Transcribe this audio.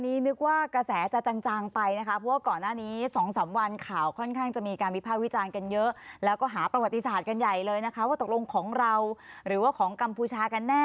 ดีที่สุดคือการให้ไม่สิ้นสุดคอร์ปอเรชั่น